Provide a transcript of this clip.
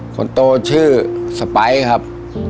คนโตชื่อสไปร์ครับ